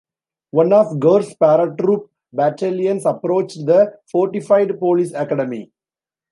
One of Gur's paratroop battalions approached the fortified Police Academy.